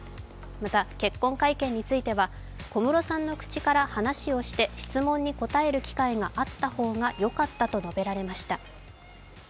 また、結婚会見については、小室さんの口から話をして質問に答える機会があった方がよかったと述べられました。